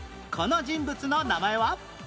この人物の名前は？